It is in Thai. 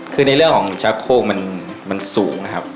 คือในเรื่องของชักโคกมันสูงนะครับ